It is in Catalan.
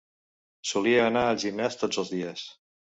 Solia anar al gimnàs tots els dies.